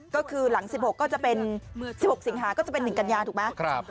ก็คือหลัง๑๖สิงหาก็จะเป็น๑กัญญาถูกไหม